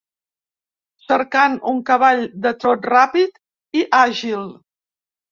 Cercant un cavall de trot ràpid i àgil.